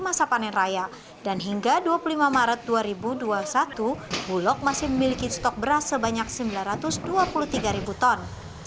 masa panen raya dan hingga dua puluh lima maret dua ribu dua puluh satu bulog masih memiliki stok beras sebanyak sembilan ratus dua puluh tiga ribu ton